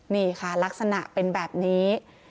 นี่ค่ะลักษณะเป็นแบบนี้